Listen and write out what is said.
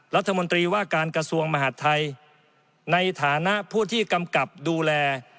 รัฐมนตรีว่าการกระทรวงมหาดไทยในฐานะผู้ที่กำกับดูแล